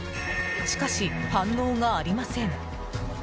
しかし、反応がありません。